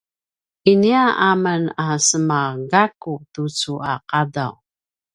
ini a men a sema gaku tucu a qadaw